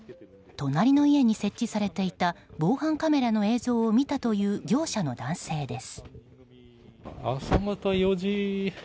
隣の家に設置されていた防犯カメラの映像を見たという業者の男性です。